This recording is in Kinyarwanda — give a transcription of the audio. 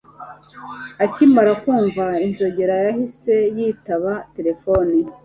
Akimara kumva inzogera, yahise yitaba telefoni